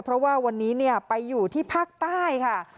เพราะว่าวันนี้ไปอยู่ที่ภาคใต้ค่ะ